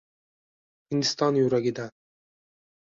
Hindiston yuragidan